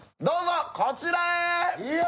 どうぞこちらへ！